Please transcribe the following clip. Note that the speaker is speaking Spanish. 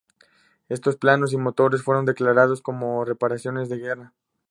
Estos planos y motores fueron declarados como reparaciones de guerra.